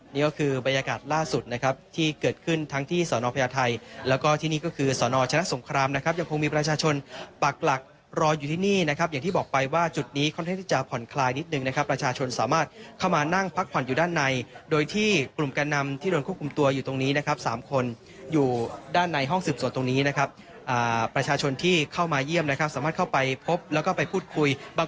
นี่ก็คือบรรยากาศล่าสุดนะครับที่เกิดขึ้นทั้งที่สอนอพยาไทยแล้วก็ที่นี่ก็คือสอนอชนะสงครามนะครับยังคงมีประชาชนปากหลักรออยู่ที่นี่นะครับอย่างที่บอกไปว่าจุดนี้ค่อนข้างที่จะผ่อนคลายนิดหนึ่งนะครับประชาชนสามารถเข้ามานั่งพักผ่อนอยู่ด้านในโดยที่กลุ่มการนำที่โดนควบคุมตัวอยู่ตรงนี้นะครับสามคน